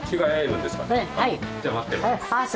じゃあ待ってます。